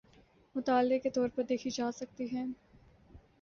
مطالعے کے طور پہ دیکھی جا سکتی ہیں۔